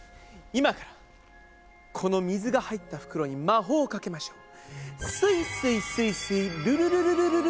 今からこの水が入った袋に魔法をかけましょう。